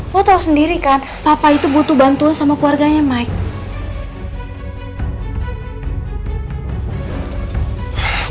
mau tahu sendiri kan papa itu butuh bantuan sama keluarganya mike